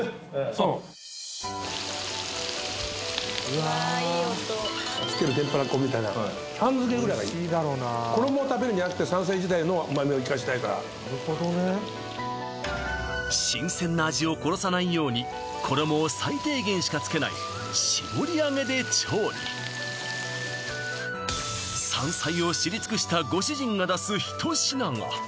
そう付ける天ぷら粉みたいなの半付けぐらいがいい衣を食べるんじゃなくて山菜自体の旨味を生かしたいから新鮮な味を殺さないように衣を最低限しか付けないしぼり揚げで調理山菜を知り尽くしたご主人が出す一品が！